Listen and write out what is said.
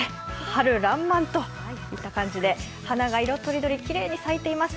春爛漫といった感じで花が色とりどり、きれいに咲いています。